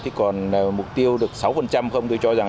thế còn mục tiêu được sáu không